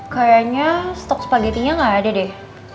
kayaknya stok spaghettinya nggak ada deh